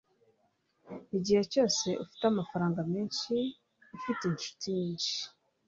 igihe cyose ufite amafaranga menshi, ufite inshuti nyinshi